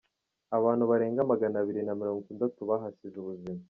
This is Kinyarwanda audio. Abantu barenga magana abiri na mirongo itandatu bahasize ubuzima.